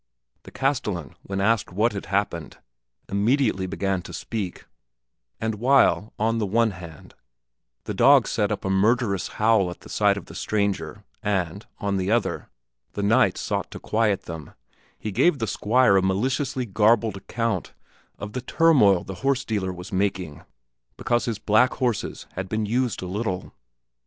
The castellan, when asked what had happened, immediately began to speak, and while, on the one hand, the dogs set up a murderous howl at the sight of the stranger, and, on the other, the knights sought to quiet them, he gave the Squire a maliciously garbled account of the turmoil the horse dealer was making because his black horses had been used a little.